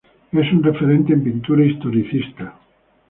Es un referente en pintura historicista.